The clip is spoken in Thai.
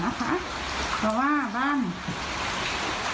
หลังคาเข้ารั่วบ้านทั้งหมดทั้งหลัง